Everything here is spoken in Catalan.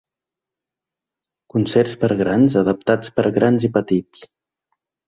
Concerts per a grans adaptats per a grans i petits.